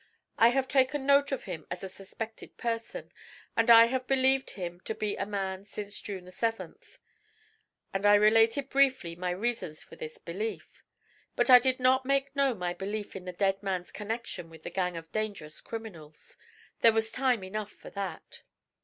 I have taken note of him as a suspected person, and I have believed him to be a man since June 7,' and I related briefly my reasons for this belief. But I did not make known my belief in the dead man's connection with a gang of dangerous criminals. There was time enough for that.